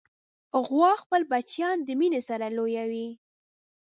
غوا خپل بچیان د مینې سره لویوي.